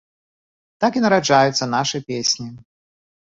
Так і нараджаюцца нашы песні.